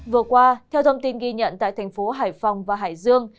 vừa qua theo thông tin ghi nhận tại thành phố hải phòng và hải dương